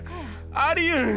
ありえん！